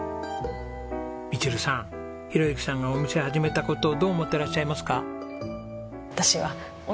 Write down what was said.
ミチルさん宏幸さんがお店始めた事をどう思ってらっしゃいますか？